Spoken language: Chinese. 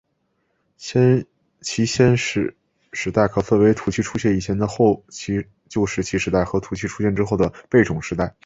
其先史时代可分为土器出现以前的后期旧石器时代和土器出现之后的贝冢时代。